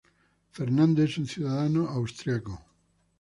Fernando es un ciudadano austriaco.